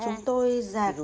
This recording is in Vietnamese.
nhưng không biết làm thế nào